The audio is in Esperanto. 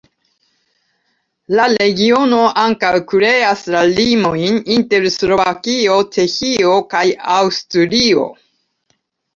La regiono ankaŭ kreas la limojn inter Slovakio, Ĉeĥio kaj Aŭstrio.